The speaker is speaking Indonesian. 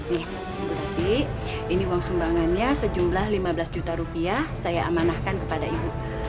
ini berarti ini uang sumbangannya sejumlah lima belas juta rupiah saya amanahkan kepada ibu